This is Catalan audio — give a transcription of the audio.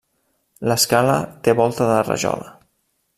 L'escala té volta de rajola.